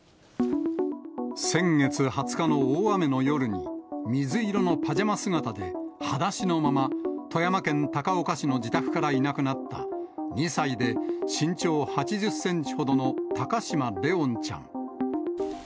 先月２０日の大雨の夜に、水色のパジャマ姿で、はだしのまま、富山県高岡市の自宅からいなくなった、２歳で身長８０センチほどの高嶋怜音ちゃん。